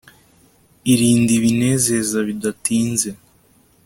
irinde ibinezeza bidatinze